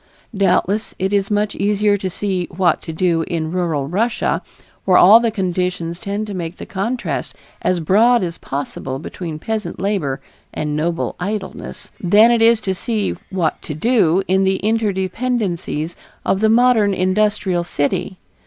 Doubtless it is much easier to see "what to do" in rural Russia, where all the conditions tend to make the contrast as broad as possible between peasant labor and noble idleness, than it is to see "what to do" in the interdependencies of the modern industrial city.